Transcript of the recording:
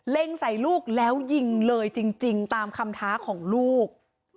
ใส่ลูกแล้วยิงเลยจริงตามคำท้าของลูก